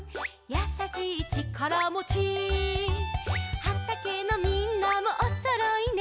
「やさしいちからもち」「はたけのみんなもおそろいね」